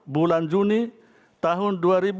bulan juni tahun dua ribu sembilan belas